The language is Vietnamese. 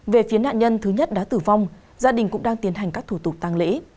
về phía nạn nhân thứ nhất đã tử vong gia đình cũng đang tiến hành các thủ tục tăng lễ